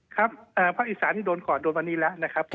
ครับภาคอีสานนี่โดนก่อนโดนวันนี้แล้วนะครับ